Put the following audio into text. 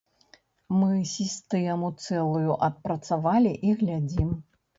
Мы сістэму цэлую адпрацавалі і глядзім.